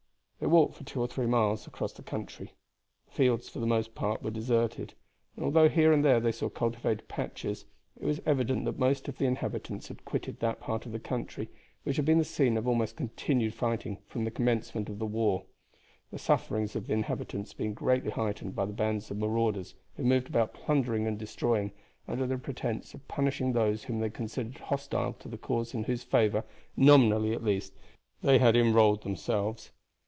They walked for two or three miles across the country. The fields for the most part were deserted, and although here and there they saw cultivated patches, it was evident that most of the inhabitants had quitted that part of the country, which had been the scene of almost continued fighting from the commencement of the war; the sufferings of the inhabitants being greatly heightened by the bands of marauders who moved about plundering and destroying under the pretense of punishing those whom they considered hostile to the cause in whose favor nominally, at least they had enrolled themselves.